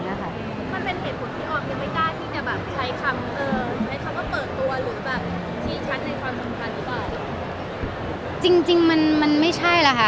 มันเป็นเหตุผลที่ออฟยังไม่กล้าที่จะแบบใช้คำเออใช้คำว่าเปิดตัวหรือแบบชี้ชั้นในความสำคัญหรือเปล่า